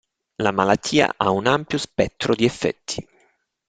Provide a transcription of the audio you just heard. La malattia ha un ampio spettro di effetti.